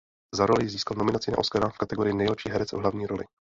Za roli získal nominaci na Oscara v kategorii nejlepší herec v hlavní roli.